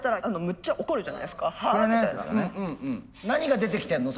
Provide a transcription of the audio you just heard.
何が出てきてるの？